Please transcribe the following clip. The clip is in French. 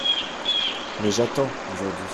Mais j’attends, aujourd’hui…